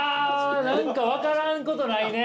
何か分からんことないね！